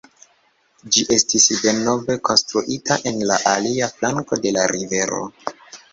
Ĝi estis denove konstruita en la alia flanko de la rivero.